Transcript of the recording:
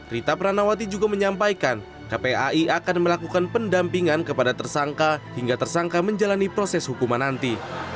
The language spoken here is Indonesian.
rita pranawati juga menyampaikan kpai akan melakukan pendampingan kepada tersangka hingga tersangka menjalani proses hukuman nanti